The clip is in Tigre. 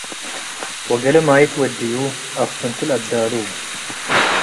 ወገሌ ማይት ትወድዩ - አከፍንቱ ለአዳሉ፣